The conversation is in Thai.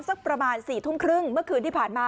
สักประมาณ๔ทุ่มครึ่งเมื่อคืนที่ผ่านมา